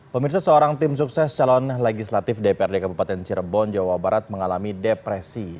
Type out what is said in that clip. pemirsa seorang tim sukses calon legislatif dprd kabupaten cirebon jawa barat mengalami depresi